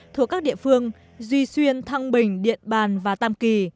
thuộc các địa phương duy xuyên thăng bình điện bàn và tam kỳ